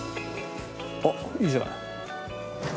あっいいじゃない。